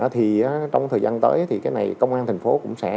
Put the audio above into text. trong thời gian tới công an tp hcm cũng sẽ